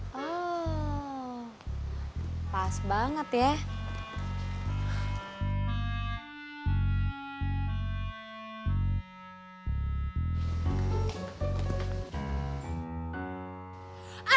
oh pas banget ya